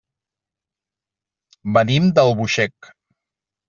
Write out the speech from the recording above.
Venim d'Albuixec.